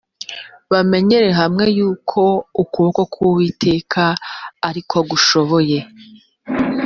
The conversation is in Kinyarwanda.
bamenyere hamwe y’uko ukuboko k’uwiteka ari ko gushoboye